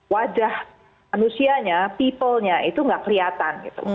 wajah manusianya people nya itu nggak kelihatan gitu